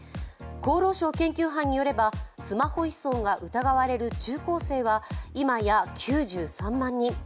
厚労省研究班によればスマホ依存が疑われる中高生は今や９３万人。